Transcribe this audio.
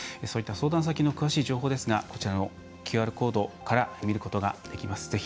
そういった相談先の詳しい情報ですがこちらのＱＲコードから見ることができます。